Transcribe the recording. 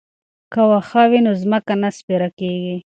که واښه وي نو ځمکه نه سپیره کیږي.